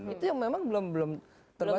itu yang memang belum terlihat